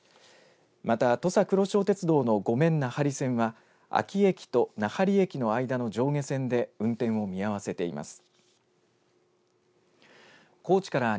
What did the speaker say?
また土佐くろしお鉄道のごめん・なはり線は安芸駅と奈半利駅の間の上下線で運転を見合わせています。